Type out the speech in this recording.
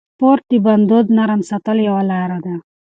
سپورت د بندونو نرم ساتلو یوه لاره ده.